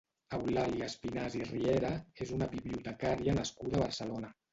Eulàlia Espinàs i Riera és una bibliotecària nascuda a Barcelona.